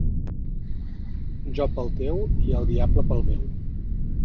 Jo pel teu i el diable pel meu.